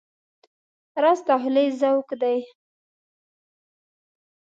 رس د خولې ذوق دی